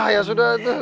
ya sudah tuh